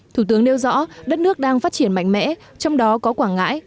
thủ tướng nêu rõ đất nước đang phát triển mạnh mẽ trong đó có quảng ngãi